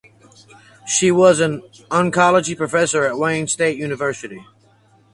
She was an oncology professor at Wayne State University.